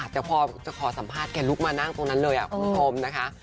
แต่พอจะขอสัมภาษณ์แกลุกมานั่งตรงนั้นเลยคุณผู้ชมนะคะ